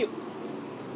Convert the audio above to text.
tiếng còi ô tô